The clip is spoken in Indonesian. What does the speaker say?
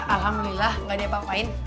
alhamdulillah nggak diapa apain